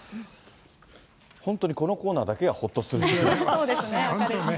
本当にこのコーナーだけがほっとする。